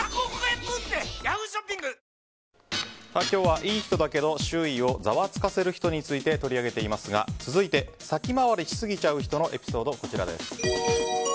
今日は、いい人だけど周囲をザワつかせる人について取り上げていますが続いて、先回りしすぎちゃう人のエピソードです。